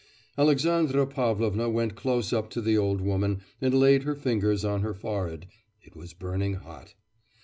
Alexandra Pavlovna went close up to the old woman and laid her fingers on her forehead; it was burning hot.